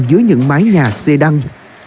dưới những mái nhà xe đăng